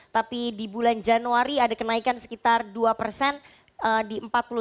tapi di bulan januari ada kenaikan sekitar dua di empat puluh delapan delapan